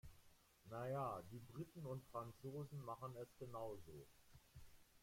Na ja, die Briten und Franzosen machen es genau so.